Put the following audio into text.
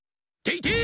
てい